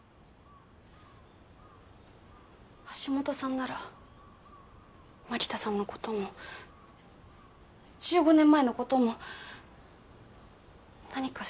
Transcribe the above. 橋本さんなら槙田さんの事も１５年前の事も何か知ってるかもって。